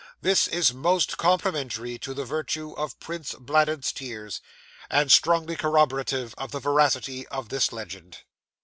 This is most complimentary to the virtue of Prince Bladud's tears, and strongly corroborative of the veracity of this legend.